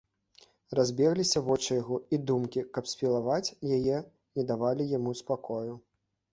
Разбегліся вочы яго, і думкі, каб спілаваць, яе, не давалі яму спакою.